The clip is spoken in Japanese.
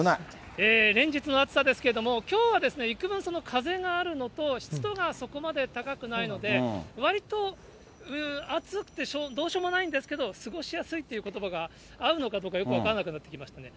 連日の暑さですけど、いくぶん、その風があるのと、湿度がそこまで高くないので、わりと暑くてどうしようもないんですけど、過ごしやすいということばが合うのかどうかよく分からなくなってきましたね。